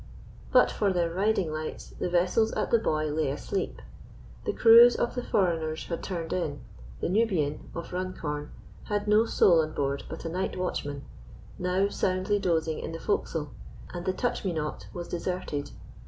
But for their riding lights, the vessels at the buoy lay asleep. The crews of the foreigners had turned in; the Nubian, of Runcorn, had no soul on board but a night watchman, now soundly dozing in the forecastle; and the Touch me not was deserted.